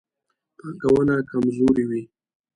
پانګونه کمزورې وي.